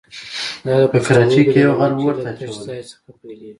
دا له پښتورګو د لګنچې له تش ځای څخه پیلېږي.